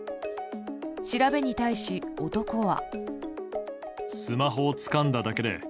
調べに対し、男は。